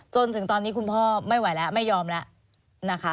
จนถึงตอนนี้คุณพ่อไม่ไหวแล้วไม่ยอมแล้วนะคะ